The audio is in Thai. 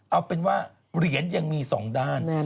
เอาเป็นว่าเหรียญยังมี๒ด้าน